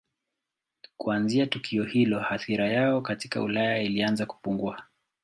Kuanzia tukio hilo athira yao katika Ulaya ilianza kupungua.